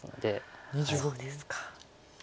そうですか。